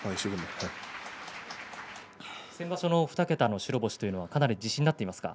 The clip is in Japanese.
先場所の２桁の白星はかなり自信になっていますか？